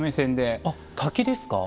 あっ滝ですか？